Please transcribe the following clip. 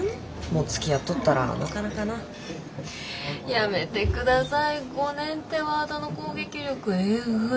やめてください「５年」ってワードの攻撃力えぐい。